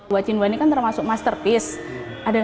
wacinwa ini kan termasuk masterpiece